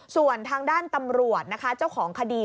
ส่วนทางด้านตำรวจนะคะเจ้าของคดี